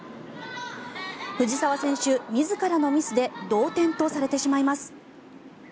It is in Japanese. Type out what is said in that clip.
藤澤選手、自らのミスで同点とされてしまいます。